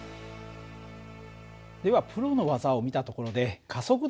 ではプロの技を見たところで加速度の話に戻ろうか。